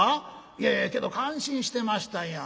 いやいやけど感心してましたんや。